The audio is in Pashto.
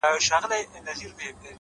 • ستا له تصويره سره ـ